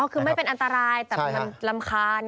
คือไม่เป็นอันตรายแต่มันรำคาญ